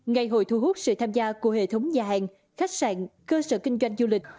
ngày hội thu hút sự tham gia của hệ thống nhà hàng khách sạn cơ sở kinh doanh du lịch